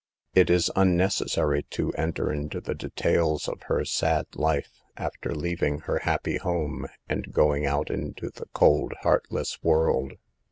It is unnecessary to enter into the details of her sad life, after leaving her happy home and going out into the cold, heartless world.